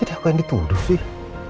jadi aku yang dipuduh sih